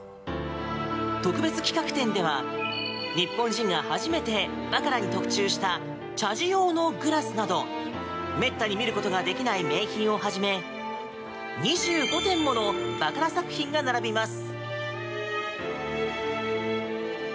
特別企画展では日本人が初めてバカラに特注した茶事用のグラスなど滅多に見ることができない名品をはじめ２５点ものバカラ作品が並びます。